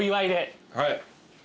はい。